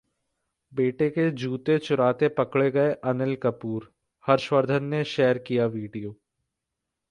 बेटे के जूते चुराते पकड़े गए अनिल कपूर, हर्षवर्धन ने शेयर किया वीडियो